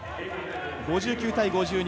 ５９対５２。